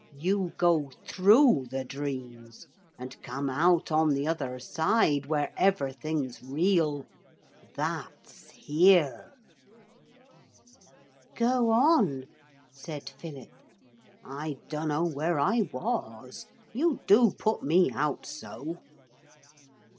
You go through the dreams and come out on the other side where everything's real. That's here.' 'Go on,' said Philip. 'I dunno where I was. You do put me out so.'